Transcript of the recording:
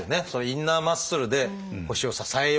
インナーマッスルで腰を支えようみたいな。